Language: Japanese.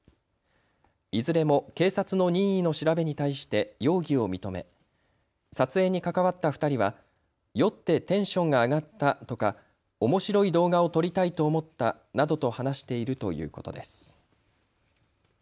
いずれも警察の任意の調べに対して容疑を認め撮影に関わった２人は酔ってテンションが上がったとかおもしろい動画を撮りたいと思ったなどと話しているということです。